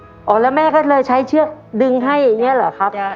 อ๋อแล้วแม่ก็เลยใช้เชือกดึงให้อย่างนี้เหรอครับ